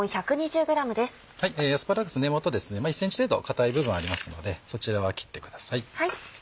アスパラガス根元１ｃｍ程度固い部分ありますのでそちらは切ってください。